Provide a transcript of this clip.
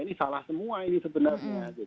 ini salah semua ini sebenarnya